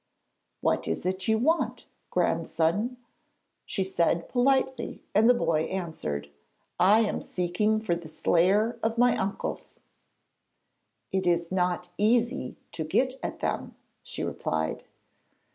'What is it you want, grandson?' said she, politely, and the boy answered: 'I am seeking for the slayer of my uncles.' 'It is not easy to get at them,' she replied.